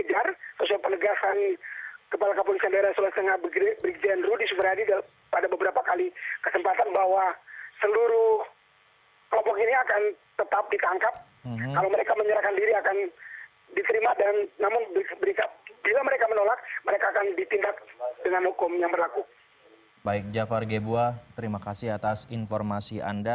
jafar gebuah terima kasih atas informasi anda